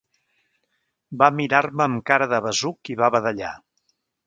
Va mirar-me amb cara de besuc i va badallar.